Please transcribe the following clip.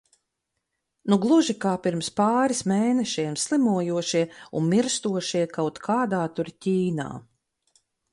Nu gluži kā pirms pāris mēnešiem slimojošie un mirstošie kaut kādā tur Ķīnā.